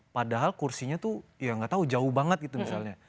padahal kursinya tuh ya nggak tahu jauh banget gitu misalnya